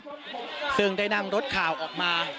แล้วก็ตอนนี้มีการเคลียร์ผู้บาดเจ็บนะครับออกมาจากพื้นที่ที่เรานับเข้าเข้า